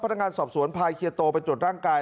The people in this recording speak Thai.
พนักงานสอบสวนพายเฮียโตไปตรวจร่างกาย